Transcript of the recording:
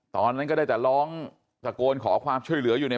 ตอนนั้นก็ได้แต่ร้องตะโกนขอความช่วยเหลืออยู่เนี่ย